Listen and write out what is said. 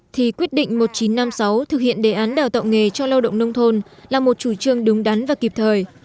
thì quyết định một nghìn chín trăm năm mươi sáu thực hiện đề án đào tạo nghề cho lao động nông thôn là một chủ trương đúng đắn và kịp thời